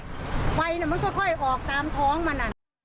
ไฟมันค่อยออกตามท้องมัน